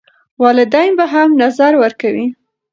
والدین به هم نظر ورکوي.